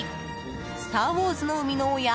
「スター・ウォーズ」の生みの親